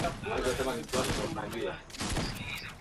Au kwa mazoezi ya kuzungumza na wenzangu.